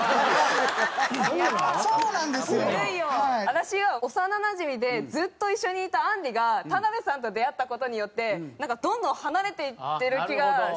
私は幼なじみでずっと一緒にいたあんりが田辺さんと出会った事によってなんかどんどん離れていってる気がしてきちゃって。